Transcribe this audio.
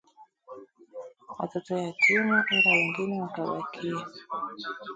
watoto yatima, ila wengine wakabakia